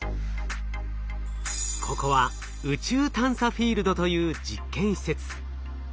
ここは宇宙探査フィールドという実験施設。